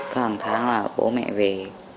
cứ hàng tháng là bố mẹ về